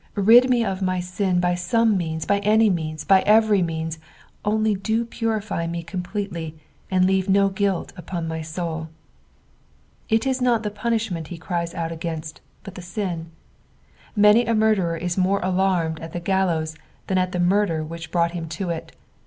Bid nic of my sin by some means, by any means, by every means, only do purify me completely, and leave no guilt upnn my soul." It is not the punishment he cries out agiunat, but the sin. Many a murderer is more alarmed at the gallows than at the murder which brought him to it.